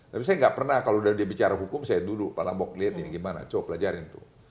tapi saya nggak pernah kalau dia bicara hukum saya dulu pak lambok lihat ini gimana coba pelajarin tuh